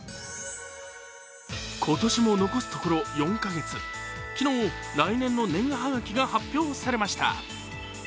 今年も残すところ４か月昨日、来年の年賀はがきが発表されました。